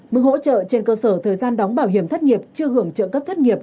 mức hỗ trợ trên cơ sở thời gian đóng bảo hiểm thất nghiệp chưa hưởng trợ cấp thất nghiệp